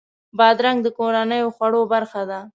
بادرنګ د کورنیو خوړو برخه ده.